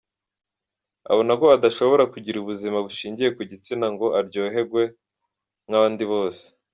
"Abona ko adashobora kugira ubuzima bushingiye ku gitsina ngo aryohegwe nk'abandi bose.